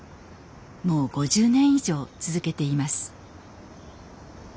もう５０年以上続けています。